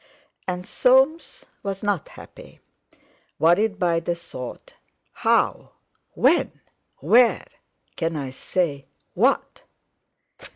And Soames was not happy, worried by the thought: "How—when—where—can I say—what?"